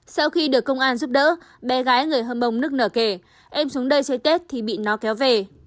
sau khi được công an giúp đỡ bé gái người hâm mông nức nở kể em xuống đây chơi tết thì bị nó kéo về